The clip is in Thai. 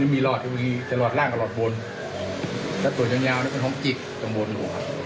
นี่มีหลอดทีวีแต่หลอดล่างกับหลอดบนแล้วตัวยังยาวนี่มันห้องจิบตรงบนหัว